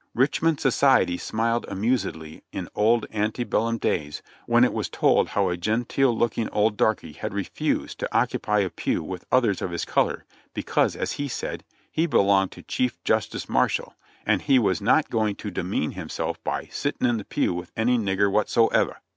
Richmond society smiled amusedly in old ante bellum days when it was told how a genteel looking old darky had refused to occupy a pew with others of his color, because, as he said, he belonged to Chief Justice Marshall, and he was not going to de mean himself by "sitting in the pew with any nigger whatsoever."